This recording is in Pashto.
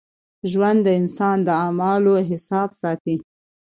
ژوند د انسان د اعمالو حساب ساتي.